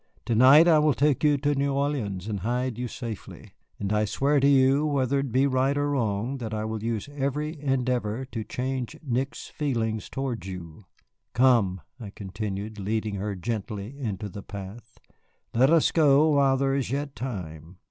"To night I will take you to New Orleans and hide you safely. And I swear to you, whether it be right or wrong, that I will use every endeavor to change Nick's feelings towards you. Come," I continued, leading her gently into the path, "let us go while there is yet time."